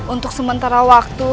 untuk sementara waktu